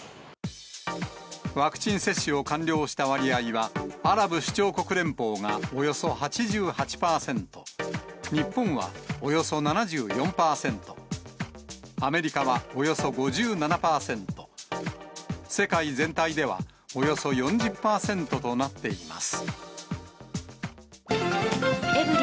ワクチン接種を完了した割合は、アラブ首長国連邦がおよそ８８％、日本はおよそ７４％、アメリカはおよそ５７％、世界全体ではおよそ４０％となっています。